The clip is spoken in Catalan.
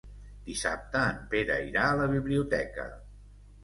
Dissabte en Pere irà a la biblioteca.